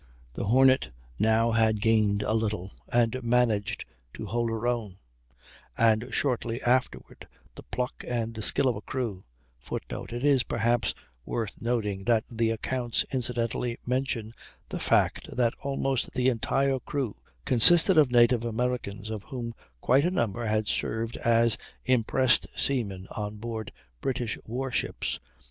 The Hornet now had gained a little, and managed to hold her own, and shortly afterward the pluck and skill of her crew [Footnote: It is perhaps worth noting that the accounts incidentally mention the fact that almost the entire crew consisted of native Americans, of whom quite a number had served as impressed seamen on board British war ships.